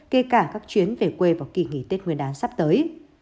kể cả các chuyến về quê vào kỳ nghỉ tết nguyên đán sắp tới